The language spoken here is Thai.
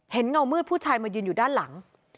เงามืดผู้ชายมายืนอยู่ด้านหลัง